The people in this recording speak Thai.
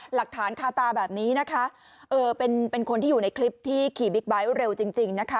หลักฐานคาตาแบบนี้นะคะเออเป็นเป็นคนที่อยู่ในคลิปที่ขี่บิ๊กไบท์เร็วจริงจริงนะคะ